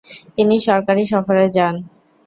তিনি সরকারি সফরে যান।